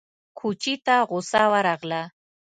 کوچي ته غوسه ورغله!